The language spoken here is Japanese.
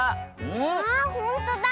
あほんとだ！